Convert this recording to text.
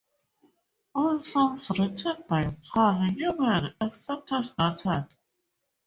All songs written by Carl Newman, except as noted.